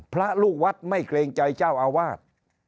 พระลูกวัดไม่เกรงใจเจ้าอาวาส